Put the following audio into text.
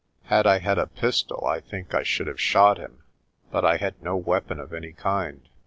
Had I had a pistol, I think I should have shot him; but I had no weapon of any kind.